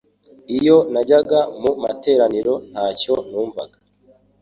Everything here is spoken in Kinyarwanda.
iyo najyaga mu materaniro nta cyo numvaga